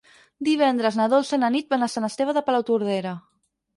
Divendres na Dolça i na Nit van a Sant Esteve de Palautordera.